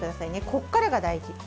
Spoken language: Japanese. ここからが大事。